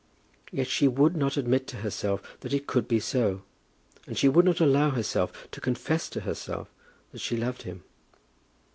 Yet she would not admit to herself that it could be so, and she would not allow herself to confess to herself that she loved him.